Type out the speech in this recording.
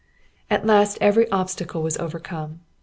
At last every obstacle was overcome.